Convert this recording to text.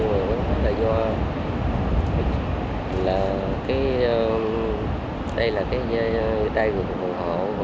nói chung là do đây là cái dây của phòng hộ